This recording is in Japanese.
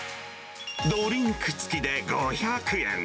ドリンクつきで５００円。